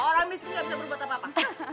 orang miskin gak bisa berbuat apa apa